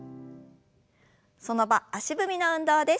その場足踏みの運動です。